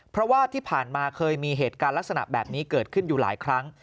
เพราะว่าที่ผ่านมาเคยมีเหตุการณ์ลักษณะแบบนี้เกิดขึ้นอยู่หลายครั้ง